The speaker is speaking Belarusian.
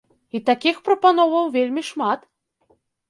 І такіх прапановаў вельмі шмат!